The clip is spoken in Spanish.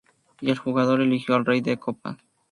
Y el jugador eligió al Rey de Copas.